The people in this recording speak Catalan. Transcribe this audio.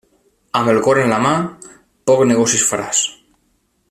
Amb el cor en la mà, pocs negocis faràs.